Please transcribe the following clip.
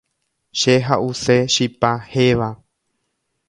Che ha’use chipa héva.